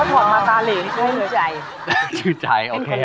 เป็นคนล่อไม่ได้ป๊า